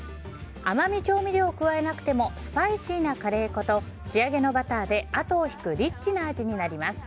甘味調味料を加えなくてもスパイシーなカレー粉と仕上げのバターで後を引くリッチな味になります。